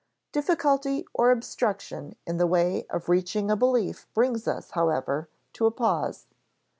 Difficulty or obstruction in the way of reaching a belief brings us, however, to a pause.